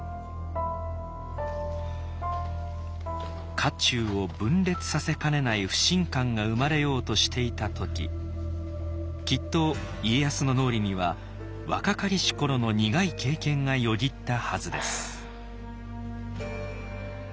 家中を分裂させかねない不信感が生まれようとしていた時きっと家康の脳裏には若かりし頃の苦い経験がよぎったはずです。